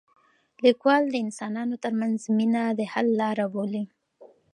لیکوال د انسانانو ترمنځ مینه د حل لاره بولي.